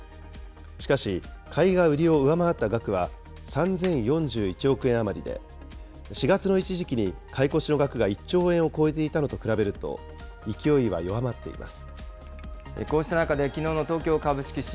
しかし、買いが売りを上回った額は、３０４１億円余りで、４月の一時期に買い越しの額が１兆円を超えていたのと比べると、勢いは弱まっています。